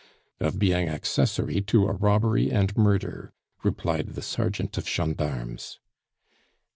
"Of being accessory to a robbery and murder," replied the sergeant of gendarmes.